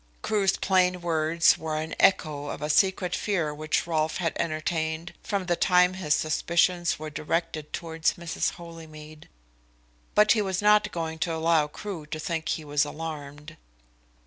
Crewe's plain words were an echo of a secret fear which Rolfe had entertained from the time his suspicions were directed towards Mrs. Holymead. But he was not going to allow Crewe to think he was alarmed.